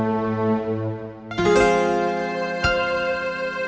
aku juga nggak ngerti